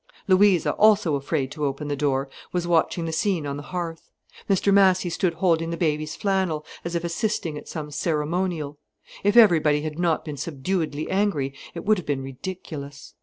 Louisa, also afraid to open the door, was watching the scene on the hearth. Mr Massy stood holding the baby's flannel, as if assisting at some ceremonial. If everybody had not been subduedly angry, it would have been ridiculous.